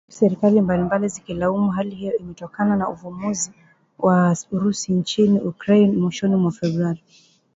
Huku serikali mbalimbali zikilaumu hali hiyo imetokana na uvamizi wa Urusi nchini Ukraine mwishoni mwa Februari.